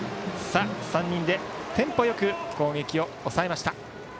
３人でテンポよく攻撃を抑えました。